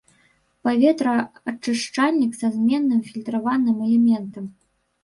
Паветраачышчальнік са зменным фільтравальным элементам.